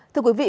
thưa quý vị